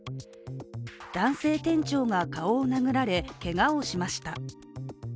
男性店長が顔を殴られ、けがをしました。